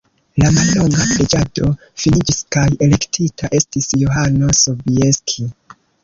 La mallonga reĝado finiĝis kaj elektita estis Johano Sobieski.